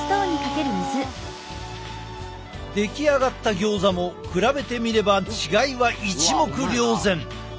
出来上がったギョーザも比べてみれば違いは一目瞭然。